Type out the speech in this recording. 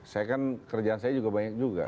saya kan kerjaan saya juga banyak juga